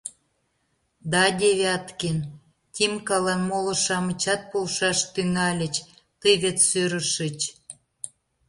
— Да, Девяткин, — Тимкалан моло-шамычат полшаш тӱҥальыч, — тый вет сӧрышыч.